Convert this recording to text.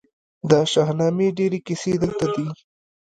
د شاهنامې ډیرې کیسې دلته دي